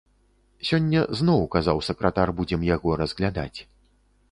Сёння зноў, казаў сакратар, будзем яго разглядаць.